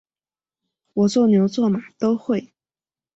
我做牛做马都会